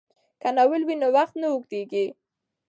که ناول وي نو وخت نه اوږدیږي.